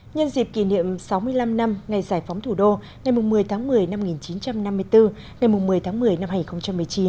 nhân dịp kỷ niệm sáu mươi năm năm ngày giải phóng thủ đô ngày một mươi tháng một mươi năm một nghìn chín trăm năm mươi bốn ngày một mươi tháng một mươi năm hai nghìn một mươi chín